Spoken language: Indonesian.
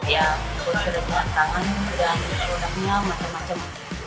ya untuk sedangkan tangan dan udangnya macam macam